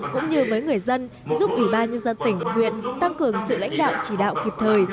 cũng như với người dân giúp ủy ban nhân dân tỉnh huyện tăng cường sự lãnh đạo chỉ đạo kịp thời